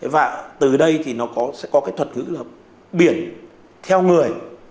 và từ đây thì nó sẽ có cái thuật ngữ là biển theo người